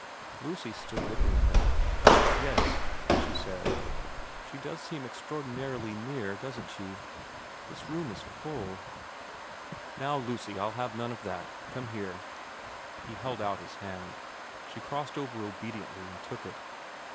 Lucy stood looking at him. ' Yes,' she said, ' she does seem extraordinarily near, doesn't she. This room is full '* Now Lucy I'll have none of that. Come here.' He held out his hand. She crossed over obediently and took it.